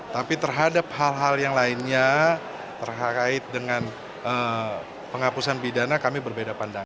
tapi terhadap hal hal yang lainnya terkait dengan penghapusan pidana kami berbeda pandangan